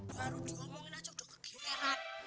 baru diomongin aja udah kegeliran